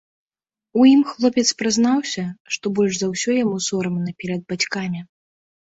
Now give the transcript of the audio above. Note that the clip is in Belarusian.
У ім хлопец прызнаўся, што больш за ўсё яму сорамна перад бацькамі.